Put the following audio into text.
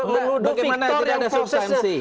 bagaimana tidak ada substansi